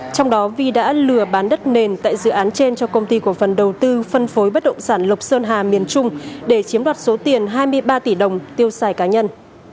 trong đó vi đã lừa bán đất nền tại dự án trên cho công ty cổ phần đầu tư phân phối bất động sản lộc sơn hà miền trung để chiếm đoạt số tiền hai mươi ba tỷ đồng tiêu xài cá nhân